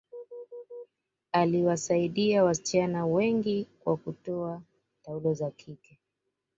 aliwasaidia wasichana wengi kwa kutoa taulo za kike